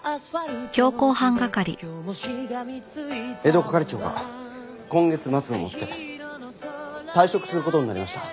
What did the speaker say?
江戸係長が今月末をもって退職する事になりました。